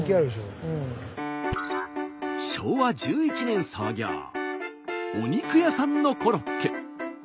昭和１１年創業お肉屋さんのコロッケ。